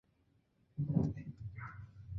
缅南杭子梢为豆科杭子梢属下的一个亚种。